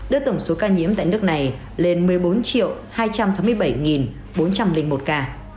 đưa tổng số ca nhiễm tại nước này lên mức một năm